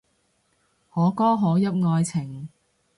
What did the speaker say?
可歌可泣愛情